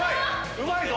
うまいぞ！